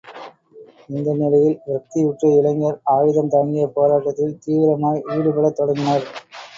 இந்த நிலையில் விரக்தியுற்ற இளைஞர், ஆயுதம் தாங்கிய போராட்டத்தில் தீவிரமாய் ஈடுபடத் தொடங்கினர்.